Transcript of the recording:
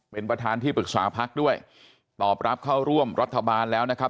เป็นประธานที่ปรึกษาพักด้วยตอบรับเข้าร่วมรัฐบาลแล้วนะครับ